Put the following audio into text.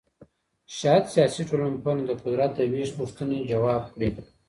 شاید سیاسي ټولنپوهنه د قدرت د وېش پوښتنې ځواب کړي.